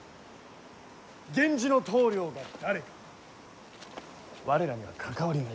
源氏の棟梁が誰か我らには関わりないこと。